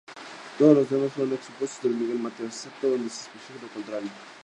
Todos los temas fueron compuestos por Miguel Mateos, excepto donde se especifique lo contrario.